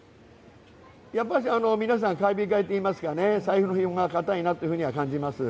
やっぱし、皆さん買い控えといいますか財布のひもが堅いとは感じます。